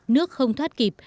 nước không thoát kịp